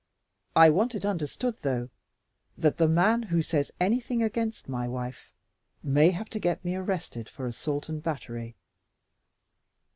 I want it understood, though, that the man who says anything against my wife may have to get me arrested for assault and battery."